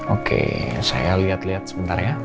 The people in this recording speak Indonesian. oke saya lihat lihat sebentar ya